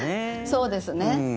そうですね。